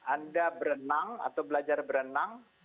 anda berenang atau belajar berenang